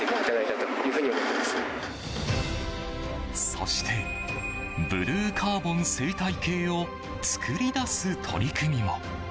そしてブルーカーボン生態系を作り出す取り組みも。